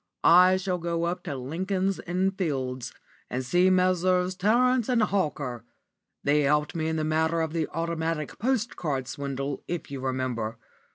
I shall go up to Lincoln's Inn Fields, and see Messrs. Tarrant and Hawker. They helped me in the matter of the Automatic Postcard swindle, if you remember.